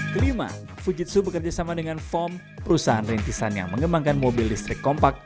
kelima fujitsu bekerja sama dengan fom perusahaan rintisan yang mengembangkan mobil listrik kompak